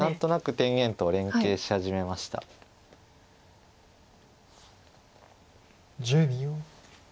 １０秒。